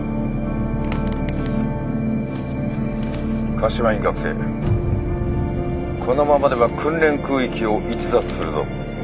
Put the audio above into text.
柏木学生このままでは訓練空域を逸脱するぞ。